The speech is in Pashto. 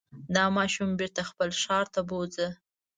دا ماشوم بېرته خپل ښار ته بوځه.